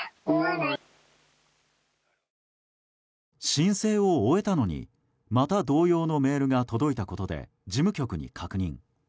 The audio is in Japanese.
申請を終えたのにまた同様のメールが届いたことで事務局に確認。